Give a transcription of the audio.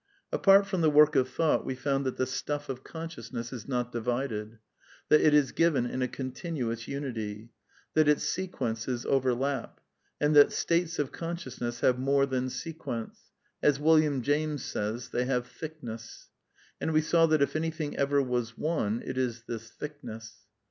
Apart from the work of thought, we found that the stuff of consciousness is not divided; that it is given in a continuous unity; that its sequences overlap; and that states of consciousness have more than sequence; as William James says, they have thickness/' And we saw that if anything ever was one it is this thickness.